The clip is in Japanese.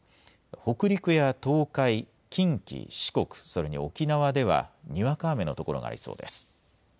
北陸や東海、近畿、四国、それに沖縄ではにわか雨の所がありそうです。